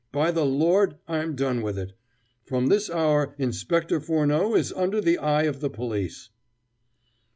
By the Lord, I'm done with it. From this hour Inspector Furneaux is under the eye of the police."